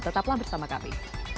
tetaplah bersama kami